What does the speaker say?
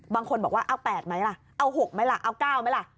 บางคนบอกว่าเอา๘ไหมล่ะเอา๖ไหมล่ะเอา๙ไหมล่ะ